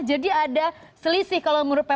jadi ada selisih kalau menurut ppatk